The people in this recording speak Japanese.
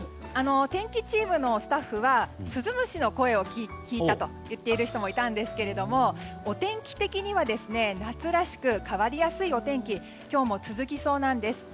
天気チームのスタッフは鈴虫の声を聞いたと言っている人もいたんですけどお天気的には、夏らしく変わりやすいお天気が今日も続きそうなんです。